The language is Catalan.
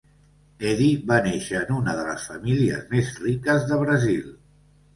Eddy va néixer en una de les famílies més riques de Brasil.